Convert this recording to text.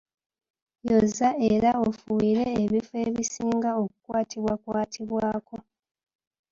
Yoza era ofuuyire ebifo ebisinga okukwatibwakwatibwako.